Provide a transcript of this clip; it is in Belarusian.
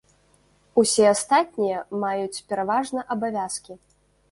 Усе астатнія маюць пераважна абавязкі.